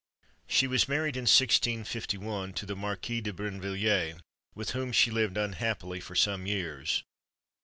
She was married in 1651 to the Marquis de Brinvilliers, with whom she lived unhappily for some years.